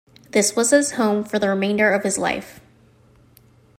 This was his home for the remainder of his life.